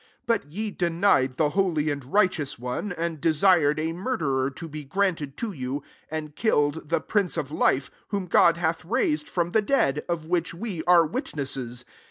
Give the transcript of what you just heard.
14 But ye denied the holy and righteous one; and desired a murderer to be granted to you ; 15 and killed the Prince of life, whom Grod hath raised from the dead ; of which we are witnes ses.